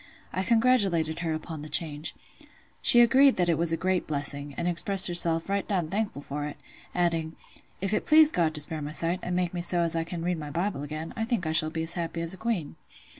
I congratulated her upon the change. She agreed that it was a great blessing, and expressed herself "right down thankful for it"; adding, "If it please God to spare my sight, and make me so as I can read my Bible again, I think I shall be as happy as a queen."